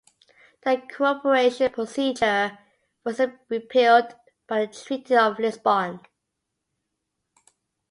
The cooperation procedure was repealed by the Treaty of Lisbon.